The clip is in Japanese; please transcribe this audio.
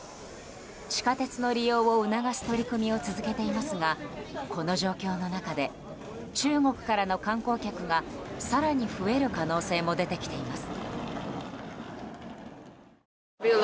地下鉄の利用を促す取り組みを続けていますがこの状況の中で中国からの観光客が更に増える可能性も出てきています。